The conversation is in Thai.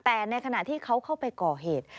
แต่ในขณะที่เขาเข้าไปก่อเหตุ